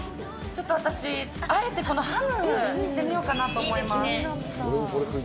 ちょっと私、あえてこのハムいってみようかなと思います。